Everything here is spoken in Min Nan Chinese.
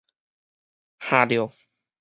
熁著